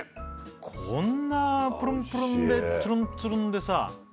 こんなプルンプルンでトゥルンツルンでさ